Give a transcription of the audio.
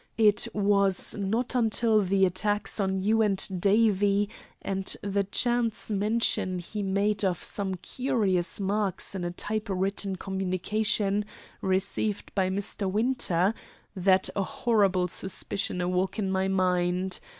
It was not until the attacks on you and Davie, and the chance mention he made of some curious marks in a type written communication received by Mr. Winter, that a horrible suspicion awoke in my mind.